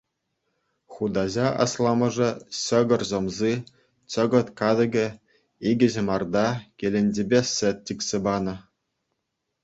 Хутаҫа асламӑшӗ ҫӑкӑр сӑмси, чӑкӑт катӑке, икӗ ҫӑмарта, кӗленчепе сӗт чиксе панӑ.